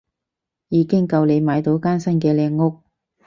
已經夠你買到間新嘅靚屋